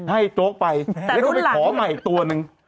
ให้ไอ้โจ๊กไปแล้วก็ไปขอใหม่ตัวหนึ่ง